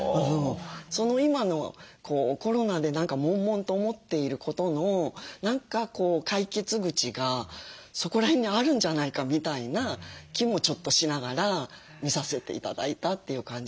今のコロナで何かもんもんと思っていることの何か解決口がそこら辺にあるんじゃないかみたいな気もちょっとしながら見させて頂いたという感じでした。